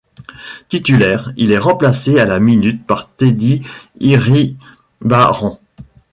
Titulaire, il est remplacé à la minute par Teddy Iribaren.